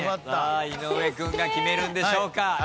井上君が決めるんでしょうか？